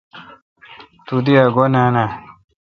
تو دی ا گو°نان آہ۔